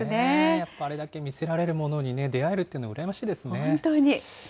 やっぱあれだけ魅せられるものに出会えるというのは、羨まし本当に。